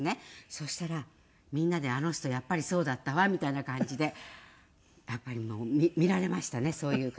そしたらみんなで「あの人やっぱりそうだったわ」みたいな感じでやっぱり見られましたねそういう感じで。